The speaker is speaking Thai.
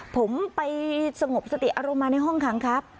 ผมไปสงบสติอารมณ์มาในห้องขังครับ